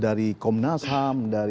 dari komnas ham